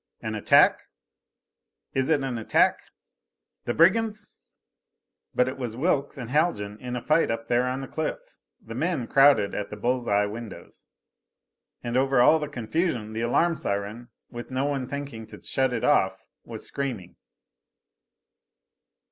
"An attack?" "Is it an attack?" "The brigands?" But it was Wilks and Haljan in a fight up there on the cliff. The men crowded at the bull's eye windows. And over all the confusion the alarm siren, with no one thinking to shut it off, was screaming.